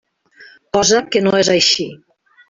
Cosa que no és així.